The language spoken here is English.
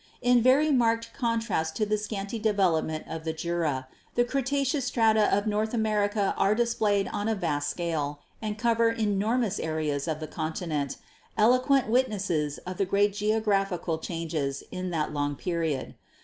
"In very marked contrast to the scanty development of the Jura, the Cretaceous strata of North America are displayed on a vast scale and cover enormous areas of the continent, eloquent witnesses of the great geographical changes in that long period.